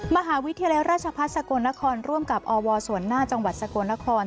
มหาวิทยาลัยราชพัฒน์สกลนครร่วมกับอวส่วนหน้าจังหวัดสกลนคร